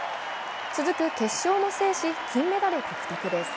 続く決勝も制し金メダル獲得です。